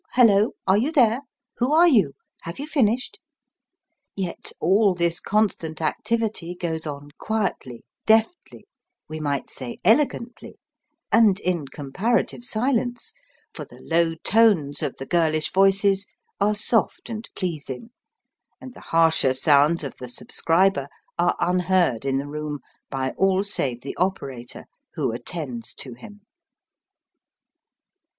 hullo!" "Are you there?" "Who are you?" "Have you finished?" Yet all this constant activity goes on quietly, deftly we might say elegantly and in comparative silence, for the low tones of the girlish voices are soft and pleasing, and the harsher sounds of the subscriber are unheard in the room by all save the operator who attends to him.